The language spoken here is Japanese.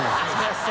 そう。